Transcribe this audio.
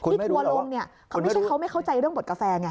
ทัวร์ลงเนี่ยเขาไม่ใช่เขาไม่เข้าใจเรื่องบทกาแฟไง